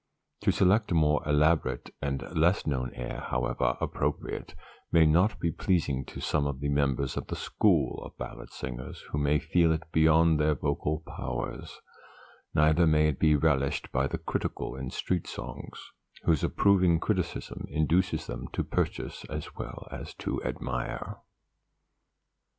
To select a more elaborate and less known air, however appropriate, may not be pleasing to some of the members of "the school" of ballad singers who may feel it beyond their vocal powers; neither may it be relished by the critical in street songs, whose approving criticism induces them to purchase as well as to admire.